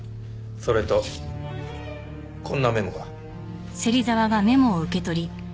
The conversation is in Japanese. それとこんなメモが。